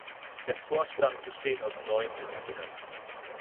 Der Vorstand besteht aus neun Mitgliedern.